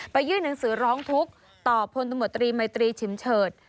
ยื่นหนังสือร้องทุกข์ต่อพลตำรวจตรีมัยตรีชิมเฉิด